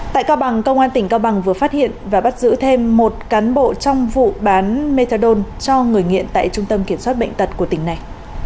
tại cao bằng công an tỉnh cao bằng vừa phát hiện và bắt giữ thêm một cán bộ trong vụ bán methadone cho người nghiện tại trung tâm kiểm soát bệnh tật của tỉnh này